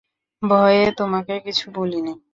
ভয়ে তোমাকে কিছু বলিনি।